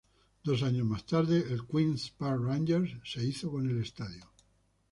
Dos años más tarde el Queens Park Rangers se hizo con el estadio.